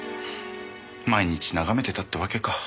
毎日眺めてたってわけか。